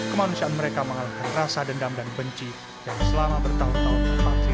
kemusahan mereka mengalami rasa dendam dan benci yang selama bertanggung tanggung masih